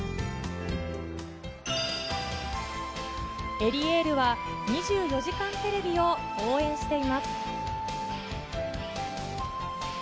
エリエールは、２４時間テレビを応援しています。